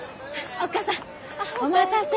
お待たせ。